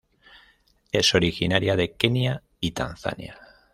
Es originaria de Kenia y Tanzania.